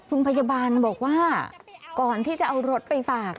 คุณพยาบาลบอกว่าก่อนที่จะเอารถไปฝาก